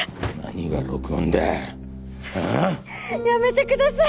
あぁ？やめてください。